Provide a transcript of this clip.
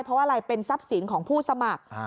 เพราะว่าอะไรเป็นทรัพย์สินของผู้สมัคร